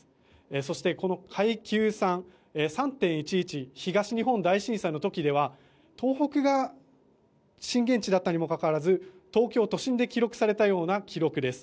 そして、この階級３３・１１東日本大震災の時では東北が震源地だったにもかかわらず東京都心で記録されたような記録です。